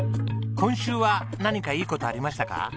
今週は何かいい事ありましたか？